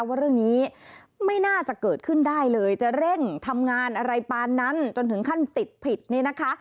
ว่าเรื่องนี้ไม่น่าจะเกิดขึ้นได้เลยจะเร่งทำงานอะไรปานนั้นจนถึงขั้นติดผิดนี่นะคะ